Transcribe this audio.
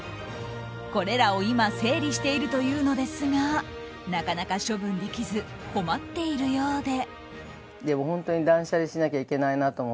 これらを今整理しているというのですがなかなか処分できず困っているようで。